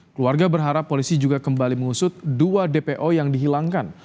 keluarga berharap polisi juga kembali mengusut dua dpo yang dihilangkan